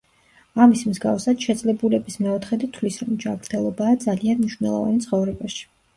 ამის მსგავსად, შეძლებულების მეოთხედი თვლის, რომ ჯანმრთელობაა ძალიან მნიშვნელოვანი ცხოვრებაში.